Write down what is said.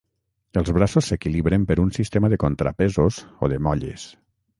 Els braços s'equilibren per un sistema de contrapesos o de molles.